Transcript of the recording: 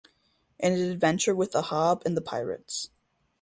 In an Adventure with Ahab and The Pirates!